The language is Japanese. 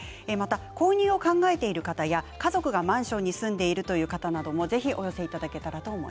購入を考えている方や家族がマンションに住んでいる方などもぜひお寄せください。